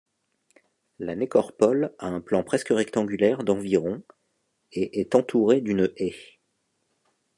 La nécorpole a un plan presque rectangulaire d'environ et est entourée d'une haie.